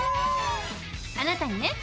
あなたにね